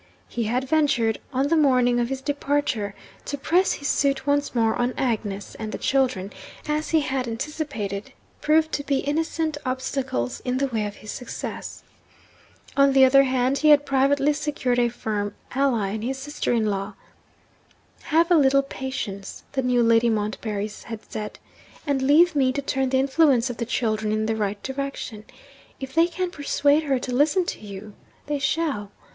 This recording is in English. He had ventured, on the morning of his departure, to press his suit once more on Agnes; and the children, as he had anticipated, proved to be innocent obstacles in the way of his success. On the other hand, he had privately secured a firm ally in his sister in law. 'Have a little patience,' the new Lady Montbarry had said, 'and leave me to turn the influence of the children in the right direction. If they can persuade her to listen to you they shall!'